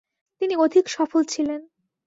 তিনি অধিক সফল ছিলেন।